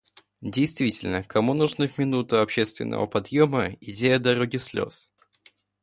Действительно, кому нужны в минуту общественного подъёма идеи о «дороге слез».